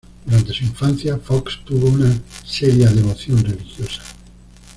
Durante su infancia, Fox tuvo una seria devoción religiosa.